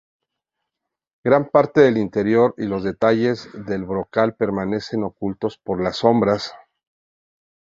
Gran parte del interior y los detalles del brocal permanecen ocultos por las sombras.